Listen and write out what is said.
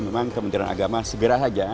memang kementerian agama segera saja